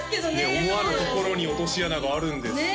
思わぬところに落とし穴があるんですねねえ